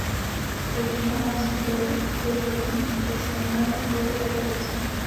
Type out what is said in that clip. Tradiční albánský kroj je podobný řeckému a jeho původ je také řecký.